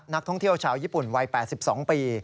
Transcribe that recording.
นักท่องเที่ยวชาวญี่ปุ่นวัย๘๒ปี